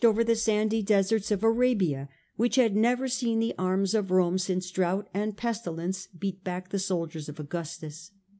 39 over the sandy deserts of Arabia, which had never seen the arms of Rome since drought and pestilence beat back the soldiers of Augustus.